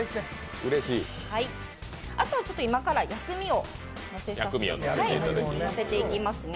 あとは、今から薬味をのせていきますね。